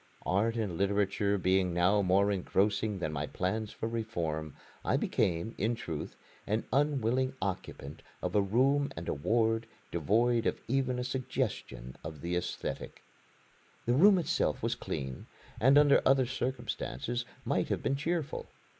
Art and literature being now more engrossing than my plans for reform, I became, in truth, an unwilling occupant of a room and a ward devoid of even a suggestion of the aesthetic. The room itself was clean, and under other circumstances might have been cheerful.